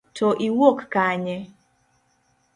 To iwuok kanye?